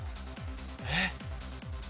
えっ？